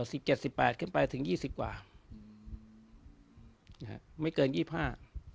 สิบเจ็ดสิบแปดขึ้นไปถึงยี่สิบกว่าอืมนะฮะไม่เกินยี่ห้า